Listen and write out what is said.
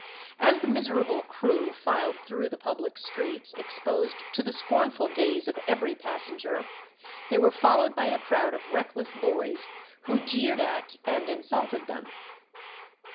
As the miserable crew filed through the public streets, exposed to the scornful gaze of every passenger, they were followed by a crowd of reckless boys, who jeered at and insulted them.